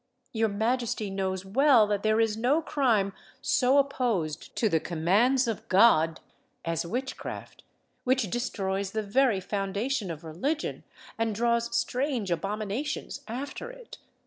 "Your majesty knows well that there is no crime so opposed to the commands of God as witchcraft, which destroys the very foundation of religion, and draws strange abominations after it.